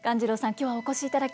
今日はお越しいただき